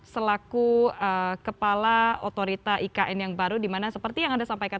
selaku kepala otorita ikn yang baru dimana seperti yang anda sampaikan